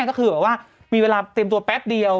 ก็คือแบบว่ามีเวลาเตรียมตัวแป๊บเดียว